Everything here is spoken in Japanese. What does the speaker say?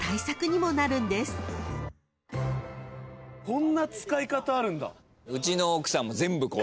こんな使い方あるんだ。